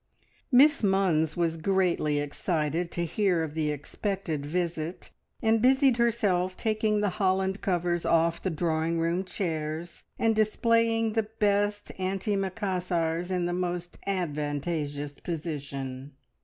Miss Munns was greatly excited to hear of the expected visit, and busied herself taking the holland covers off the drawing room chairs, and displaying the best antimacassars in the most advantageous position.